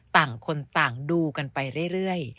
ต่างคนต่างดูกันไปเรื่อย